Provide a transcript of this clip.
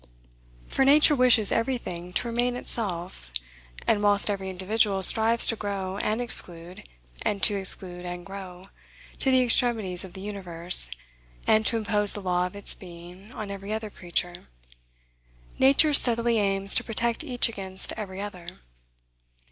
For Nature wishes every thing to remain itself; and, whilst every individual strives to grow and exclude, and to exclude and grow, to the extremities of the universe, and to impose the law of its being on every other creature, Nature steadily aims to protect each against every other.